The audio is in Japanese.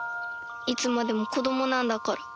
いつまでも子どもなんだから